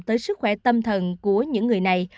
tới sức khỏe tâm thần của những người này